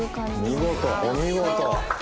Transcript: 見事お見事！